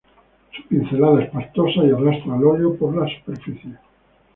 Su pincelada es pastosa y arrastra el óleo por la superficie.